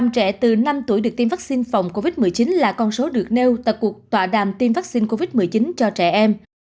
một mươi trẻ từ năm tuổi được tiêm vaccine phòng covid một mươi chín là con số được nêu tại cuộc tọa đàm tiêm vaccine covid một mươi chín cho trẻ em